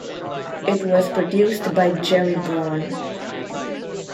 It was produced by Gerry Bron.